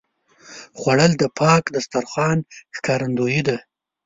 خوړل د پاک دسترخوان ښکارندویي ده